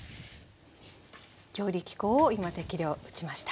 強力粉を今適量打ちました。